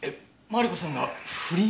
マリコさんが不倫！？